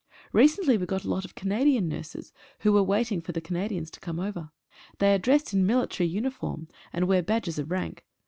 Recently we got a lot of Canadian nurses who were waiting for the Canadians to come over. They are dressed in mili tary uniform, and wear badges of rank.